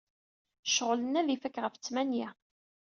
Ccɣel-nni ad ifak ɣef ttmanya.